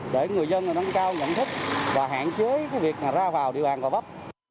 để người dân nâng cao nhận thức và hạn chế việc ra vào địa bàn gò vấp